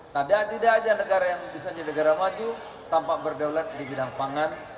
tidak saja negara yang bisa jadi negara maju tanpa berdaulat di bidang pangan